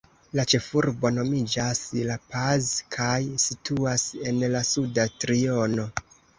La ĉefurbo nomiĝas La Paz kaj situas en la suda triono.